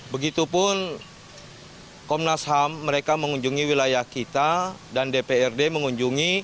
begitupun komnas ham mereka mengunjungi wilayah kita dan dprd mengunjungi